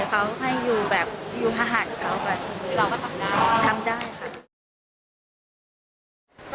เขาให้อยู่แบบอยู่พระหัสเขาค่ะทำได้ค่ะ